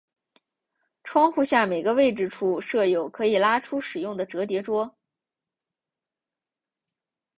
窗户下每个座位处设有可以拉出使用的折叠桌。